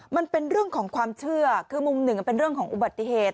มันเป็นเรื่องของความเชื่อคือมุมหนึ่งเป็นเรื่องของอุบัติเหตุ